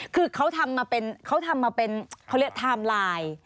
คือเขาทำมาเป็นเขาเรียกทำไลน์